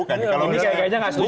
ini kayaknya nggak setuju